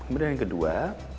kemudian yang kedua